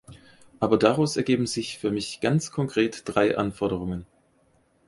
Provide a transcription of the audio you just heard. Aber daraus ergeben sich für mich ganz konkret drei Anforderungen.